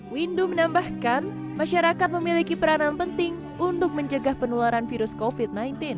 windu menambahkan masyarakat memiliki peranan penting untuk menjaga penularan virus covid sembilan belas